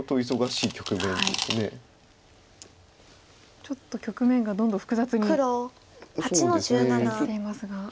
ちょっと局面がどんどん複雑になってきていますが。